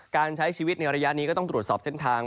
การใช้ชีวิตในระยะนี้ก็ต้องตรวจสอบเส้นทาง